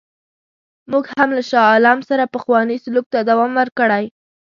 موږ هم له شاه عالم سره پخوانی سلوک ته دوام ورکړی.